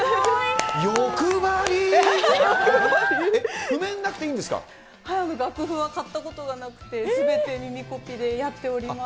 はい、楽譜は買ったことがなくて、すべて耳コピでやっております。